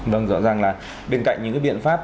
vâng rõ ràng là bên cạnh những biện pháp